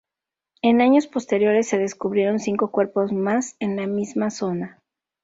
En años posteriores se descubrieron cinco cuerpos más en la misma zona.